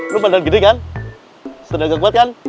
lu badan gede kan tenaga kuat kan